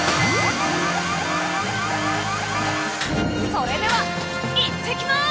それでは行ってきます！